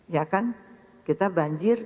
ya kan kita banjir